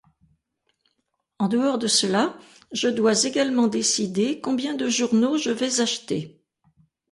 En dehors de cela, je dois également décider combien de journaux je vais acheter.